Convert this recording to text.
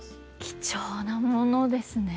貴重なものですね。